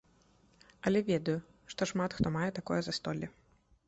Але ведаю, што шмат хто мае такое застолле.